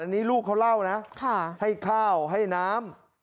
อันนี้ลูกเขาเล่านะให้ข้าวให้น้ำ